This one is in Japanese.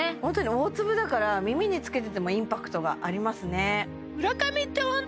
ホントに大粒だから耳につけててもインパクトがありますね